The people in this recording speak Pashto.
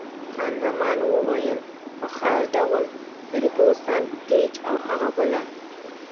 خان زمان وویل: په خاص ډول فرګوسن، ګېج او هغه بله.